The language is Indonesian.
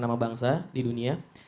nama bangsa di dunia